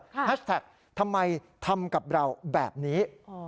แฮชแท็กทำไมทำกับเราแบบนี้